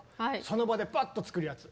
その場でバッと作るやつ。